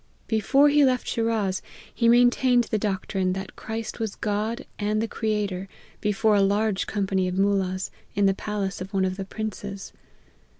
Before he left Shiraz, he maintained the doctrine that Christ was God and the Creator, before a large company of Moollahs, in the palace of one of the princes.